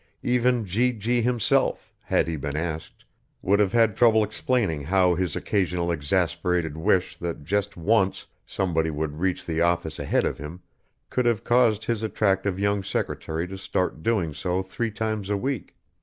Even G.G. himself, had he been asked, would have had trouble explaining how his occasional exasperated wish that just once somebody would reach the office ahead of him could have caused his attractive young secretary to start doing so three times a week